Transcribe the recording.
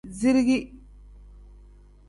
Zirigi.